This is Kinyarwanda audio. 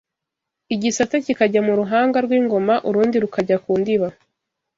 igisate kikajya mu ruhanga rw’ingoma urundi rukajya ku ndiba